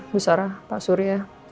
bu sarah pak surya